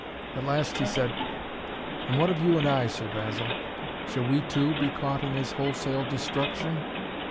At last he said: "And what of you and I, Sir Basil? Shall we, too, be caught in this wholesale destruction?"